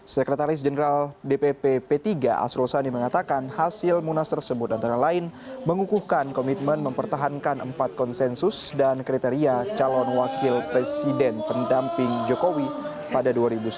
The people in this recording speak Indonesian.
sekretaris jenderal dpp p tiga asro sani mengatakan hasil munas tersebut antara lain mengukuhkan komitmen mempertahankan empat konsensus dan kriteria calon wakil presiden pendamping jokowi pada dua ribu sembilan belas